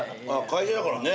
会社だからね。